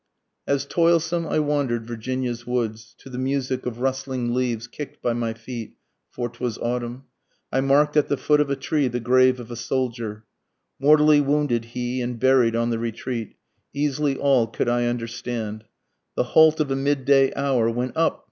As toilsome I wander'd Virginia's woods, To the music of rustling leaves kick'd by my feet, (for 'twas autumn,) I mark'd at the foot of a tree the grave of a soldier; Mortally wounded he and buried on the retreat, (easily all could I understand,) The halt of a mid day hour, when up!